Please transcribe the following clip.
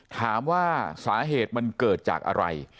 ถามว่าสาเหตุมันเกิดจากอะไร